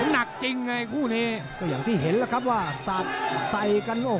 หนักจริงไงคู่นี้